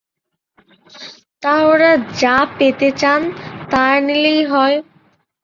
তা ওঁরা যা পেতে চান তা নিলেই হয়।